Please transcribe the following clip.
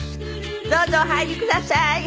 どうぞお入りください。